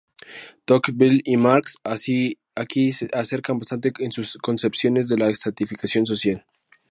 Tocqueville y Marx aquí se acercan bastante en sus concepciones de la estratificación social.